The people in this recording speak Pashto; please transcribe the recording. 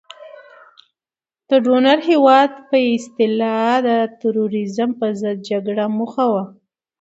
د ډونر هیوادونو په اصطلاح د تروریزم په ضد جګړه موخه وه.